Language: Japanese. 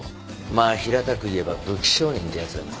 まあ平たく言えば「武器商人」ってやつだな。